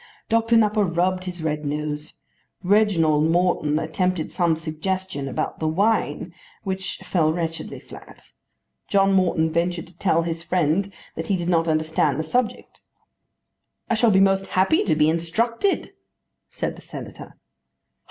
Doctor Nupper rubbed his red nose. Reginald Morton attempted some suggestion about the wine which fell wretchedly flat. John Morton ventured to tell his friend that he did not understand the subject. "I shall be most happy to be instructed," said the Senator.